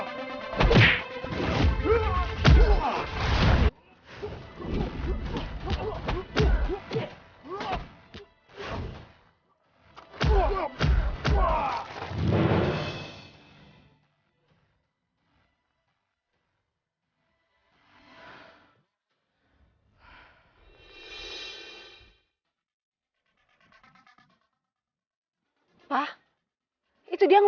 tapi gue udah berusaha sama orang ini